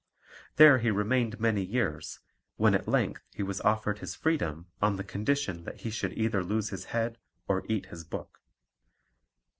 There he remained many years, when at length he was offered his freedom on the condition that he should either lose his head or eat his book.